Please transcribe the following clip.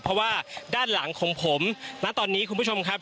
เพราะว่าด้านหลังของผมณตอนนี้คุณผู้ชมครับ